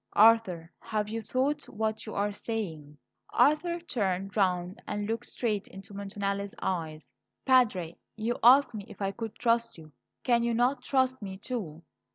Arthur, have you thought what you are saying?" Arthur turned round and looked straight into Montanelli's eyes. "Padre, you asked me if I could trust you. Can you not trust me, too?